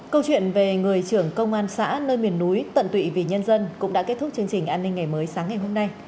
câu chuyện về người trưởng công an xã nơi miền núi tận tụy vì nhân dân cũng đã kết thúc chương trình an ninh ngày mới sáng ngày hôm nay